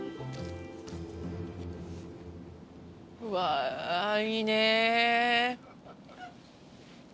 うわいいね。